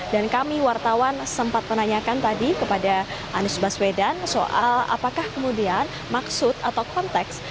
dan kami wartawan sempat menanyakan tadi kepada anis baswedan soal apakah kemudian maksud atau konteks